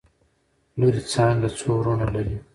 لورې څانګه څو وروڼه لري؟؟